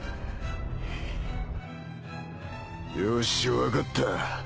よし分かった。